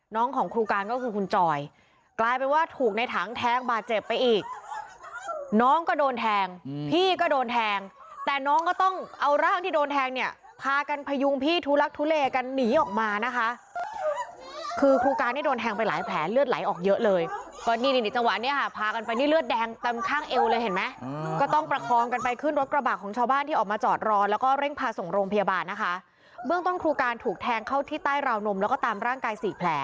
น้องของครูการก็คือคุณจอยกลายเป็นว่าถูกในถังแทงบาดเจ็บไปอีกน้องก็โดนแทงพี่ก็โดนแทงแต่น้องก็ต้องเอาร่างที่โดนแทงเนี่ยพากันพยุงพี่ทุลักษณ์ทุเลกันหนีออกมานะคะคือครูการได้โดนแทงไปหลายแผลเลือดไหลออกเยอะเลยก็นี่นิจจังหวัดเนี่ยพากันไปนี่เลือดแดงตามข้างเอวเลยเห็นไหมก็ต้องประคองกันไป